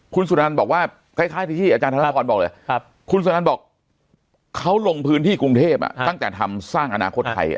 คุณสุนันบอกว่าคล้ายที่อาจารย์ธนพรบอกเลยคุณสุนันบอกเขาลงพื้นที่กรุงเทพตั้งแต่ทำสร้างอนาคตไทย